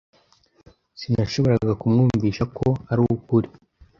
Sinashoboraga kumwumvisha ko arukuri.